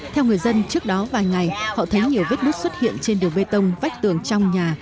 theo người dân trước đó vài ngày họ thấy nhiều vết bút xuất hiện trên đường bê tông vách tường trong nhà